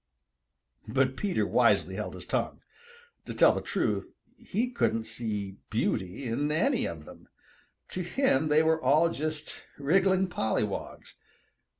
But Peter wisely held his tongue. To tell the truth, he couldn't see beauty in any of them. To him they were all just wriggling pollywogs.